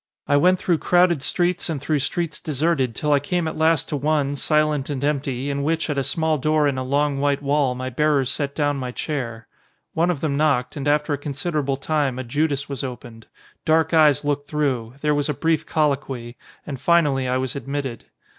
I went through crowded streets and through streets deserted till I came at last to one, 148 THE PHILOSOPHER silent and empty, in which at a small door in a long white wall my bearers set down my chair. One of them knocked, and after a considerable time a judas was opened; dark eyes looked through; there was a brief colloquy; and finally I was admitted.